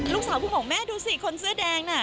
ลูกสาวผู้ของแม่ดูสิคนเสื้อแดงน่ะ